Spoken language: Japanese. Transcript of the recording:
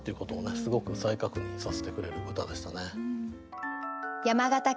すごく再確認させてくれる歌でしたね。